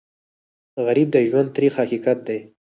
غریب د ژوند تریخ حقیقت دی